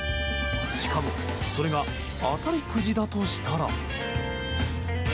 しかも、それが当たりくじだとしたら。